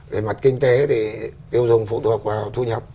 về mặt kinh tế thì tiêu dùng phụ thuộc vào thu nhập